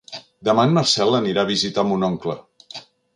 Demà en Marcel anirà a visitar mon oncle.